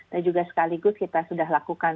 dan juga sekaligus kita sudah lakukan